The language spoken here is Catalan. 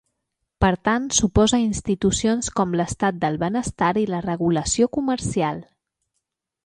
Per tant s'oposa a institucions com l'estat del benestar i la regulació comercial.